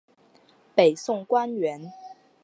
北宋官员。